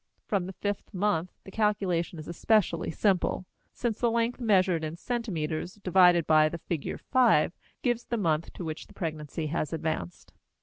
From the fifth month the calculation is especially simple, since the length measured in centimeters divided by the figure 5 gives the month to which pregnancy has advanced.